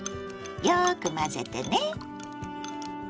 よく混ぜてね。